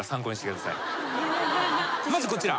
まずこちら。